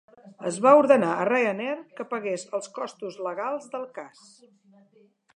Es va ordenar a Ryanair que pagués els costos legals del cas.